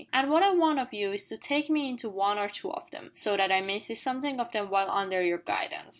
"And what I want of you is to take me into one or two of them, so that I may see something of them while under your guidance.